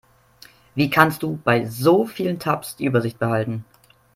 Wie kannst du bei so vielen Tabs die Übersicht behalten?